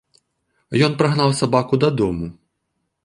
Ён прагнаў сабаку дадому.